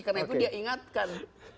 karena itu dia ingatkan